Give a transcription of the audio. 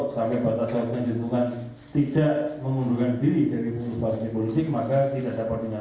sampai batas orang yang ditentukan tidak mengundurkan diri sebagai pengurus partai politik maka tidak dapat dinyatakan